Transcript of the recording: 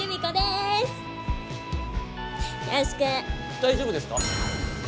大丈夫ですか？